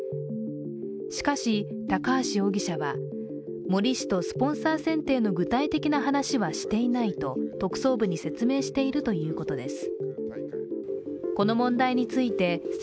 しかし高橋容疑者は、森氏とスポンサー契約について具体的な話はしていないと特捜部に説明しているということです。